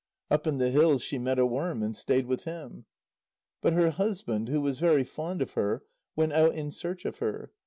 Up in the hills she met a worm, and stayed with him. But her husband, who was very fond of her, went out in search of her.